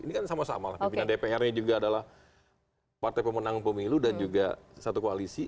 ini kan sama sama lah pimpinan dpr nya juga adalah partai pemenang pemilu dan juga satu koalisi